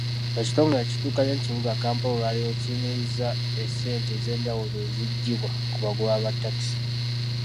Ekitongole ekiddukanya ekibuga Kampala olwaleero kiyimirizza essente ez'enjawulo ezijjibwa ku bagoba ba takisi.